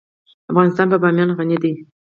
افغانستان په بامیان غني دی.